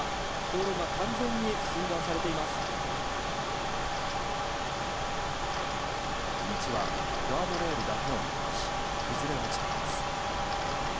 道はガードレールだけを残し崩れ落ちています。